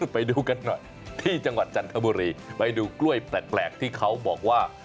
ไปดูกันหน่อยที่จังหวัดจันทบุรีไปดูกล้วยแปลกที่เขาบอกว่า